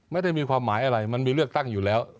ไม่ได้มีความหมายอะไรมันมีเลือกตั้งอยู่แล้ว